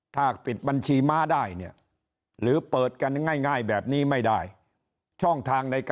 ถ้าปิดบัญชีม้าได้หรือเปิดกันง่ายแบบนี้ไม่ได้